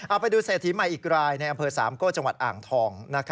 เอาไปดูเศรษฐีใหม่อีกรายในอำเภอสามโก้จังหวัดอ่างทอง